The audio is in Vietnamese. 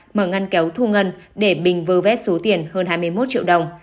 mở ngăn kéo thu ngân để bình vơ vét số tiền hơn hai mươi một triệu đồng